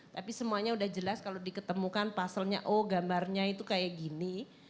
tapi semuanya udah jelas kalau diketemukan pasalnya oh gambarnya itu kayak gini